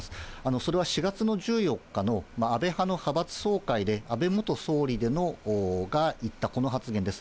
それは４月の１４日の安倍派の派閥総会で、安倍元総理が言ったこの発言です。